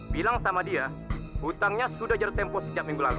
bilang sama dia hutangnya sudah jatuh tempo sejak minggu lalu